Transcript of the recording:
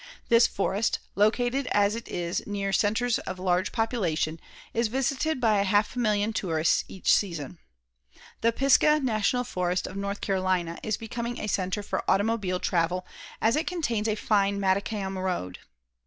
This forest, located as it is near centres of large population is visited by a half million tourists each season. The Pisgah National Forest of North Carolina is becoming a centre for automobile travel as it contains a fine macadam road.